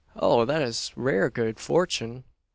"Oh, that is rare good fortune!